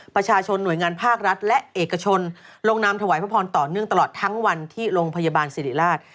ประชาชนหน่วยงานภาครัฐและเอกชนลงนามถวายพระพรต่อเนื่องตลอดทั้งวันที่โรงพยาบาลสิริราช